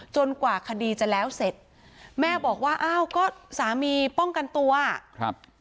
กว่าคดีจะแล้วเสร็จแม่บอกว่าอ้าวก็สามีป้องกันตัวครับ